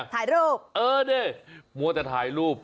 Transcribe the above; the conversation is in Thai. ถ่ายรูปเมาะจะถ่ายรูป